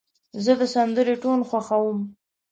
زه د سندرې ټون خوښوم.